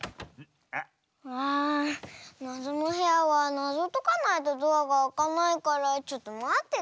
あなぞのへやはなぞをとかないとドアがあかないからちょっとまってて。